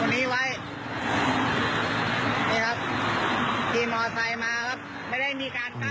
ไม่ได้มีการสร้างด้านอะไร